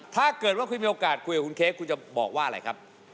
ถ้าเกิดว่าคุณมีโอกาสคุยกับคุณเค้กคุณจะบอกว่าอะไรครับ